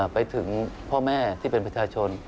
ไปถึงพ่อแม่ที่เป็นประชาชน